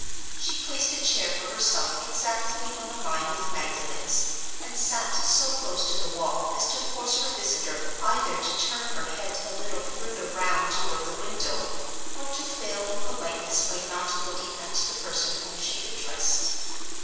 She placed a chair for herself exactly on a line with Magdalen's, and sat so close to the wall as to force her visitor either to turn her head a little further round toward the window, or to fail in politeness by not looking at the person whom she addressed.